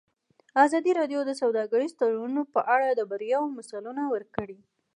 ازادي راډیو د سوداګریز تړونونه په اړه د بریاوو مثالونه ورکړي.